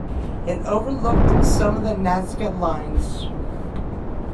It overlooked some of the Nazca lines.